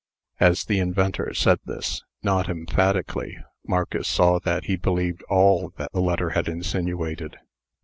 As the inventor said this, not emphatically, Marcus saw that he believed all that the letter had insinuated.